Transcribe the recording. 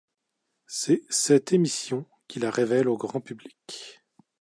C'est cette émission qui la révèle au grand public.